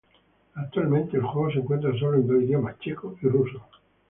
Actualmente el juego se encuentra solo en dos idiomas checo y ruso.